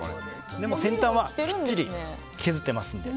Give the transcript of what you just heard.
でも先端はきっちり削ってますので。